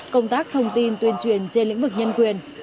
công tác thông tin tuyên truyền trên lĩnh vực nhân quyền